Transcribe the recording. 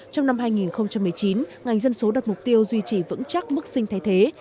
trong năm hai nghìn một mươi chín ngành dân số đặt mục tiêu duy trì vững chắc mức sinh thay thế